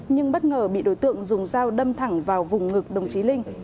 nhưng bất ngờ bị đối tượng dùng dao đâm thẳng vào vùng ngực đồng chí linh